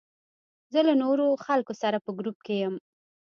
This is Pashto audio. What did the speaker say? زه له نورو خلکو سره په ګروپ کې یم.